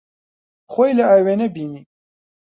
خۆی لە ئاوێنە بینی.